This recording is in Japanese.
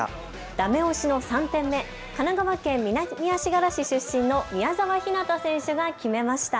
だめ押しの３点目、神奈川県南足柄市出身の宮澤ひなた選手が決めました。